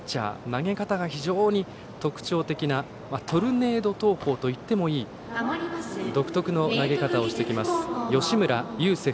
投げ方が非常に特徴的なトルネード投法といってもいい独特の投げ方をしてきます吉村優聖